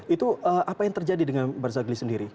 itu apa yang terjadi dengan barzagli sendiri